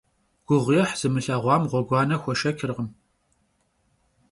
Guğuêh zımılheğuam ğueguane xueşşeçırkhım.